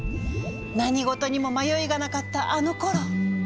何事にも迷いがなかったあのころ。